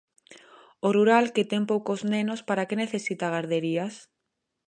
O rural, que ten poucos nenos, ¿para que necesita garderías?